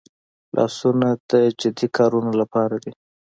لاسونه د جدي کارونو لپاره دي